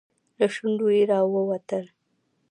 له شونډو يې راووتل.